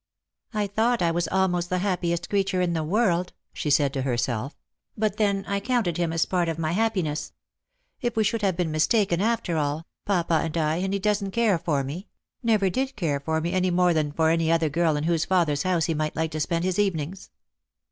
" I thought I was almost the happiest creature in the world," she said to herself; "but then I counted him as part of my happiness. If we should have been mistaken after all, papa and I, and he doesn't care for me — never did care for me any more than for any other girl in whose father's house he might like to spend his evenings